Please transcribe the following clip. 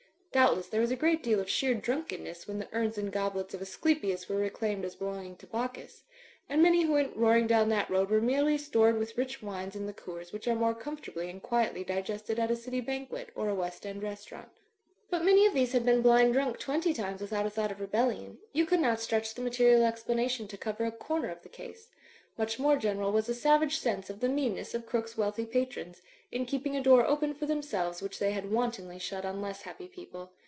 Doubtless there was a great deal of sheer drunkenness when the urns and goblets of JEsculapius were reclaimed as belonging to Bacchus: and many who went roaring down that road were merely stored with rich wines and liqueurs which are more comfortably and quietly Digitized by CjOOQIC THE MARCH ON IVYWOOD 291 digested at a City banquet or a West End restaurant. ■ But many of these had been blind drunk twenty times without a thought of rebellion ; you could not stretch the material explanation to cover a comer of the case. Much more general was a savage sense of the meanness of Crooke's wealthy patrons, in keeping a door open for themselves which they had wantonly shut on less happy people.